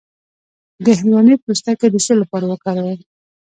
د هندواڼې پوستکی د څه لپاره وکاروم؟